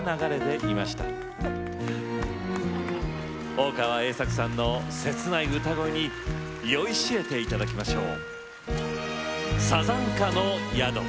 大川栄策さんの切ない歌声に酔いしれて頂きましょう。